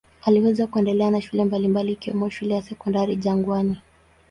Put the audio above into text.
Aliweza kuendelea na shule mbalimbali ikiwemo shule ya Sekondari Jangwani.